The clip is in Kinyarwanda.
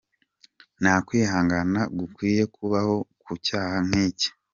Nta kwihangana gukwiye kubaho ku cyaha nk’iki.